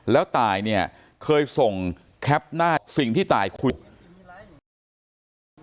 แล้วตายเนี่ยเคยส่งแคปหน้าสิ่งที่ตายคุยกัน